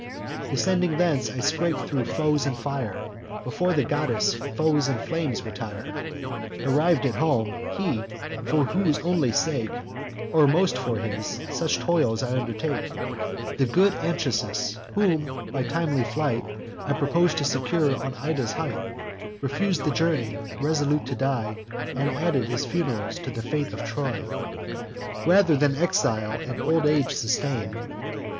"Descending thence, I scape thro' foes and fire: Before the goddess, foes and flames retire. Arriv'd at home, he, for whose only sake, Or most for his, such toils I undertake, The good Anchises, whom, by timely flight, I purpos'd to secure on Ida's height, Refus'd the journey, resolute to die And add his fun'rals to the fate of Troy, Rather than exile and old age sustain.